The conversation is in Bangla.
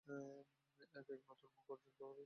এবং এক নতুন মুখঃ অর্জুনের কুকুর, সিম্বা!